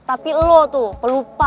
tapi lo tuh pelupa